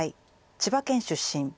千葉県出身。